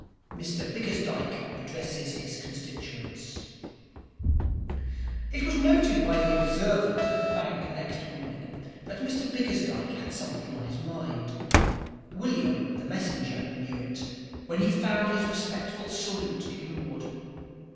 10. Mr Bickersdyke Addresses His Constituents It was noted by the observant at the bank next morning that Mr Bickersdyke had something on his mind. William, the messenger, knew it, when he found his respectful salute ignored.